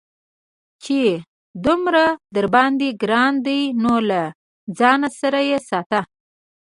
چې دومره درباندې گران دى نو له ځان سره يې ساته.